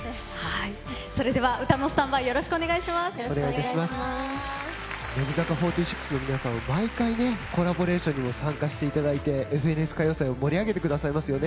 それでは歌のスタンバイ乃木坂４６の皆さんは毎回、コラボレーションに参加していただいて「ＦＮＳ歌謡祭」を盛り上げてくださいますよね。